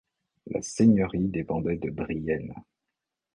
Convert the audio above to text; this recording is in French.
La seigneurie dépendait de Brienne.